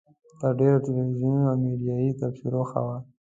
تر ډېرو تلویزیوني او میډیایي تبصرو ښه وه.